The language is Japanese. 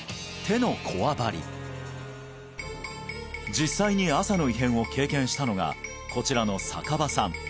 実際に朝の異変を経験したのがこちらの坂場さん